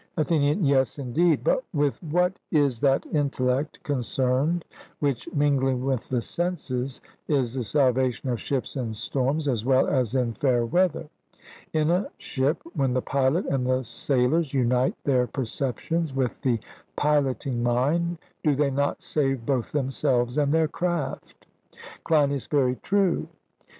ATHENIAN: Yes, indeed; but with what is that intellect concerned which, mingling with the senses, is the salvation of ships in storms as well as in fair weather? In a ship, when the pilot and the sailors unite their perceptions with the piloting mind, do they not save both themselves and their craft? CLEINIAS: Very true.